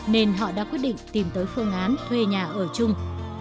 nên họ đã quyết định tìm tới phương án thuê nhà ở chung